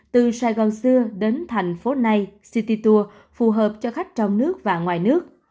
từ sài gòn xưa đến thành phố này city tour phù hợp cho khách trong nước và ngoài nước